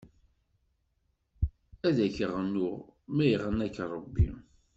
Ad k-ɣnuɣ, ma iɣna-k Ṛebbi.